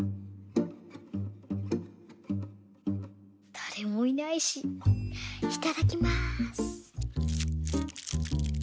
だれもいないしいただきます。